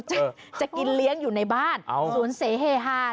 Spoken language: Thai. เวลาเข้าทรงจะกินเลี้ยงอยู่ในบ้านสวนเสเฮฮา